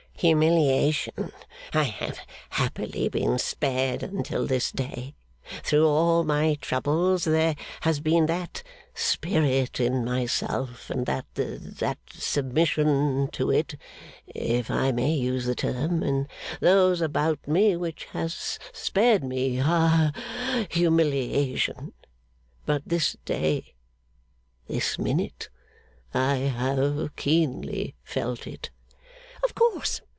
'Humiliation I have happily been spared until this day. Through all my troubles there has been that Spirit in myself, and that that submission to it, if I may use the term, in those about me, which has spared me ha humiliation. But this day, this minute, I have keenly felt it.' 'Of course!